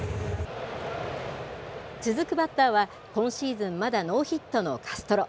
続くバッターは、今シーズンまだノーヒットのカストロ。